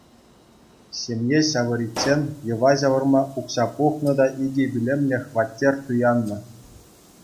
Ҫемье ҫавӑриччен йӑва ҫавӑрма укҫа пухнӑ та икӗ пӳлӗмлӗ хваттер туяннӑ.